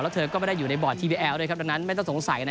แล้วเธอก็ไม่ได้อยู่ในบอร์ดทีวีแอลด้วยครับดังนั้นไม่ต้องสงสัย